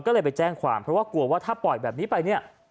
ก็เลยไปแจ้งความเพราะว่ากลัวว่าถ้าปล่อยแบบนี้ไปเนี่ย